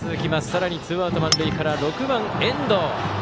さらにツーアウト、満塁から６番、遠藤。